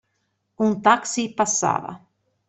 Un taxi passava.